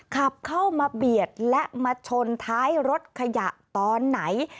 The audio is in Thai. ขับเข้ามาเบียดและมาชนท้ายรถขยะตอนไหน